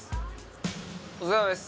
お疲れさまです。